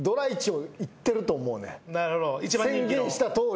宣言したとおり。